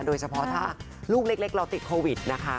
โดยเฉพาะถ้าลูกเล็กเราติดโควิดนะคะ